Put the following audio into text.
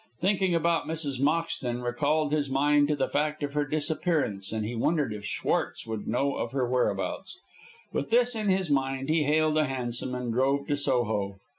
Thinking about Mrs. Moxton recalled his mind to the fact of her disappearance and he wondered if Schwartz would know of her whereabouts. With this in his mind he hailed a hansom and drove to Soho.